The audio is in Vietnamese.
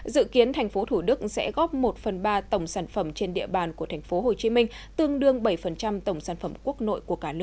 dự kiến tp thủ đức sẽ góp một phần ba tổng sản phẩm trên địa bàn của tp hcm tương đương bảy tổng sản phẩm quốc nội của cả nước